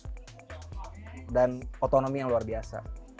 diberikan tanggung jawab luar biasa dan otonomi yang luar biasa